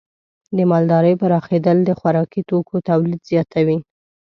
د مالدارۍ پراخېدل د خوراکي توکو تولید زیاتوي.